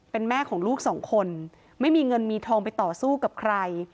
เป็นแม่ของลูกสองคนไม่มีเงินมีทองไปต่อสู้กับใคร